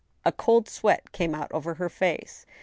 A cold sweat came out over her face.